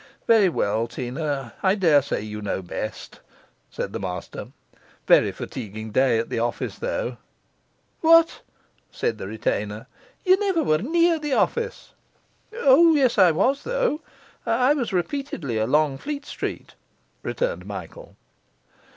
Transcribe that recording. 'Well, well, Teena, I daresay you know best,' said the master. 'Very fatiguing day at the office, though.' 'What?' said the retainer, 'ye never were near the office!' 'O yes, I was though; I was repeatedly along Fleet Street,' returned Michael.